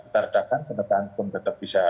teredakan penetaan pun tetap bisa